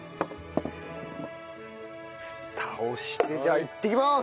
ふたをしてじゃあいってきます。